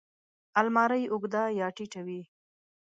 الماري اوږده یا ټیټه وي